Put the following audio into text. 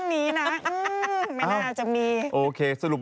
ไม่น่าใช่เรื่องนี้นะ